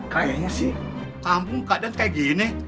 kayaknya sih kampung keadaan kayak gini